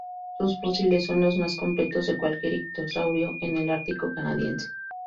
Sus fósiles son los más completos de cualquier ictiosaurio en el Ártico canadiense.